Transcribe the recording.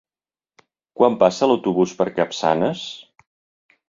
Quan passa l'autobús per Capçanes?